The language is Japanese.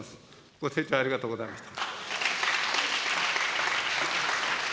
ご清聴ありがとうございました。